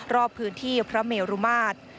รอบพื้นที่พระเมรุมาตร